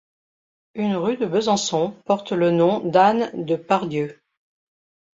Une rue de Besançon porte le nom d'Anne de Pardieu.